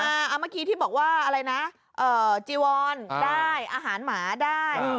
ถามมาเมื่อกี้ที่บอกว่าจีวอนได้อาหารหมาได้